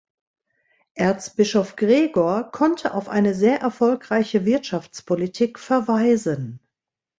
Erzbischof Gregor konnte auf eine sehr erfolgreiche Wirtschaftspolitik verweisen.